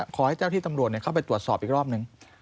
ขอให้เจ้าที่ตำรวจเข้าไปตรวจสอบอีกรอบหนึ่ง